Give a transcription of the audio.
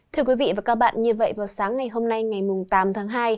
thưa quý vị và các bạn như vậy vào sáng ngày hôm nay ngày tám tháng hai